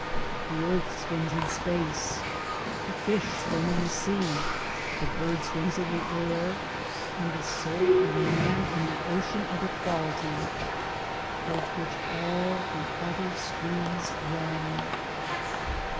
The earth swims in space, the fish swim in the sea, the bird swims in the air, and the soul of man in the ocean of Equality — towards which all the other streams run.